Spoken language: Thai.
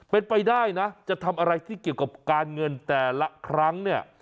เป็นไปได้นะจะทำอะไรที่เกี่ยวกับการเงินแต่ละครั้งเนี่ย